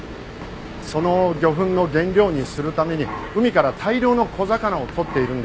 その魚粉の原料にするために海から大量の小魚を取っているんです。